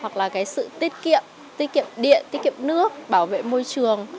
hoặc là cái sự tiết kiệm tiết kiệm điện tiết kiệm nước bảo vệ môi trường